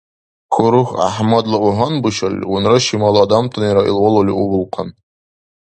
Хурух ГӀяхӀмадла у гьанбушалли, унра шимала адамтанира ил валули увулхъан.